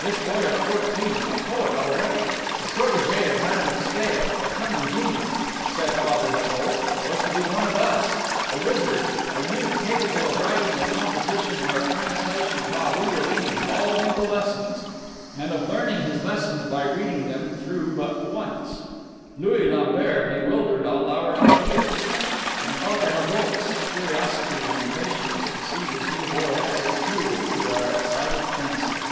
This boy of fourteen, a poet already, the protege of Madame de Stael, a coming genius, said Father Haugoult, was to be one of us! a wizard, a youth capable of writing a composition or a translation while we were being called into lessons, and of learning his lessons by reading them through but once. Louis Lambert bewildered all our ideas. And Father Haugoult's curiosity and impatience to see this new boy added fuel to our excited fancy.